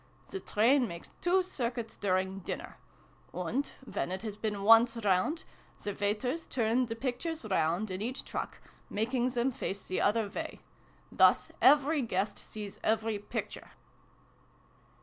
The train makes two circuits during dinner ; and, when it has been once round, the waiters turn the pictures round in each truck, making them face the other way. Thus every guest sees every picture